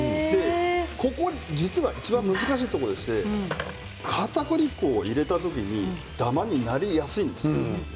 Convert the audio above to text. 実はいちばん難しいところでしてかたくり粉を入れた部分にダマになりやすいんです。